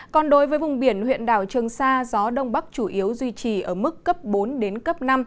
còn đối với vùng biển huyện đảo trường sa gió đông bắc chủ yếu duy trì ở mức cấp bốn đến cấp năm